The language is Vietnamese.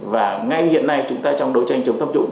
và ngay hiện nay chúng ta trong đối tranh chống tham nhũng